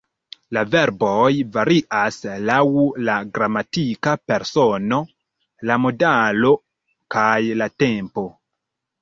La verboj varias laŭ la gramatika persono, la modalo kaj la tempo.